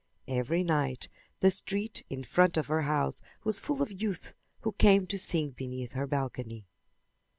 Every night the street in front of her house was full of youths who came to sing beneath her balcony.